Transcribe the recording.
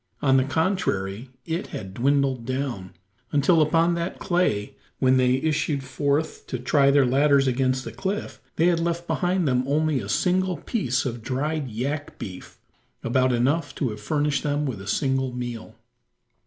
On the contrary, it had dwindled down, until upon that clay when they issued forth to try their ladders against the cliff, they had left behind them only a single piece of dried yak beef about enough to have furnished them with a single meal.